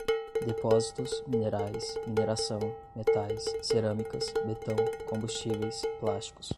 depósitos, minerais, mineração, metais, cerâmicas, betão, combustíveis, plásticos